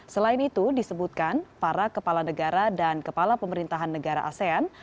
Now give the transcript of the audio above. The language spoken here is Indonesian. selain itu disebutkan para kepala negara dan kepala pemerintahan negara asean